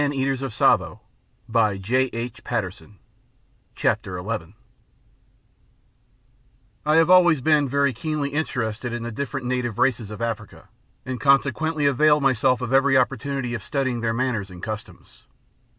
CHAPTER XI THE SWAHILI AND OTHER NATIVE TRIBES I have always been very keenly interested in the different native races of Africa, and consequently availed myself of every opportunity of studying their manners and customs.